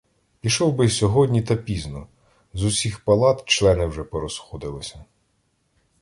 Пішов би й сьогодні, та пізно: з усіх палат члени вже порозходилися.